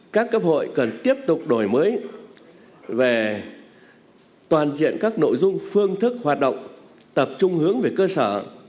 các cấp hội cần tiếp tục đổi mới về toàn diện các nội dung phương thức hoạt động tập trung hướng về cơ sở